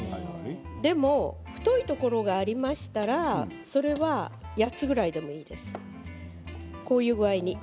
でも太いところがありましたらそれは８つぐらいでもいいです。